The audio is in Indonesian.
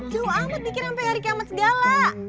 jauh amat bikin sampai hari kiamat segala